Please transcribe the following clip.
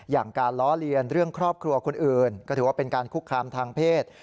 อย่างการล้อเลียนเรื่องครอบครัวคนอื่นก็ถือว่าเป็นการคุกคามทางเพศ